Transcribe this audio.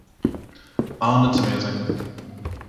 And it's amazing.